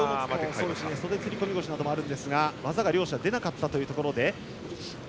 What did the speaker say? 袖釣り込み腰などもあるんですが技が両者、出なかったところで。